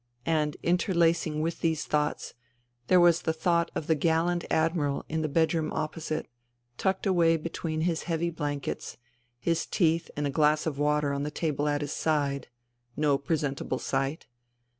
And, interlacing with these thoughts, there was the thought of the gallant Admiral in the bedroom opposite, tucked away between his heavy blankets, liis teeth in a INTERVENING IN SIBERIA 121 glass of water on the table at his side — no presentable sight